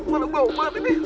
malah bau banget ini